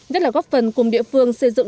rất là góp phần cùng địa phương xây dựng